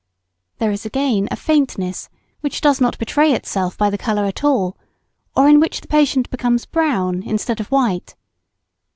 There is, again, a faintness, which does not betray itself by the colour at all, or in which the patient becomes brown instead of white.